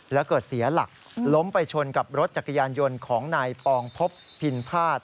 แล้วเกิดเสียหลักล้มไปชนกับรถจักรยานยนต์ของนายปองพบพินพาท